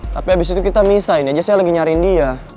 tapi abis itu kita misahin aja saya lagi nyariin dia